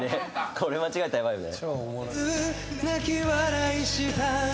これ間違えたらヤバいよね。